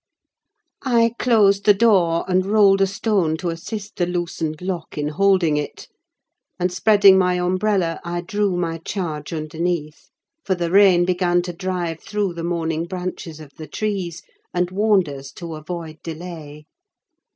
I closed the door, and rolled a stone to assist the loosened lock in holding it; and spreading my umbrella, I drew my charge underneath: for the rain began to drive through the moaning branches of the trees, and warned us to avoid delay.